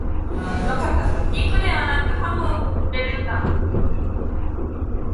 肉ではなくハム入れるんだ